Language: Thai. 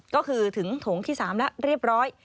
ก็คือถึงโถงที่๓แล้วเรียบร้อย